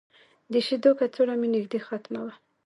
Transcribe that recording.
د شیدو کڅوړه مې نږدې ختمه وه.